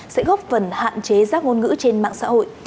sẽ góp phần hạn chế rác ngôn ngữ trên mạng xã hội